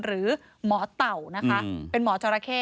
หรือหมอเต๋าเป็นหมอจราเข้